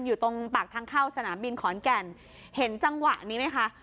อยู่ตรงปากทางเข้าสนามบินขอนแก่นเห็นจังหวะนี้ไหมคะ